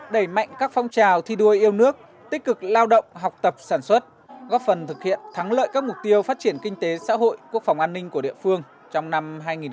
đẩy mạnh các phong trào thi đua yêu nước tích cực lao động học tập sản xuất góp phần thực hiện thắng lợi các mục tiêu phát triển kinh tế xã hội quốc phòng an ninh của địa phương trong năm hai nghìn hai mươi